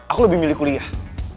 aku lebih milih kuliah